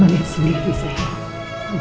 al sendiri sayang